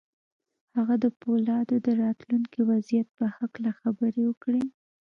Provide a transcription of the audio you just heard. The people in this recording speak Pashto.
هغه د پولادو د راتلونکي وضعيت په هکله خبرې وکړې.